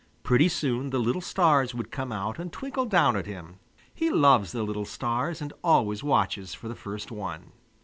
Pretty soon the little stars would come out and twinkle down at him. He loves the little stars and always watches for the first one.